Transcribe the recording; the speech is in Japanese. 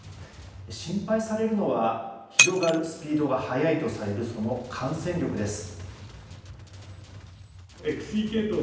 心配されるのは広がるスピードが速いとされるその感染力です。